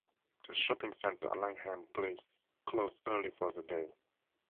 The shopping centre at Langham Place closed early for the day.